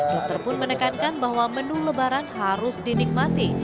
dokter pun menekankan bahwa menu lebaran harus dinikmati